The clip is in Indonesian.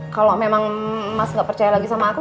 kalau memang mas nggak percaya lagi sama aku